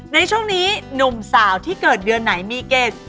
ในช่วงนี้หนุ่มสาวที่เกิดเดือนไหนมีเกณฑ์